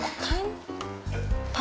siapa yang marah